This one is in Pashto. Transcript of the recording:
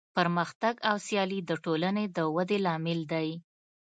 پرمختګ او سیالي د ټولنې د ودې لامل دی.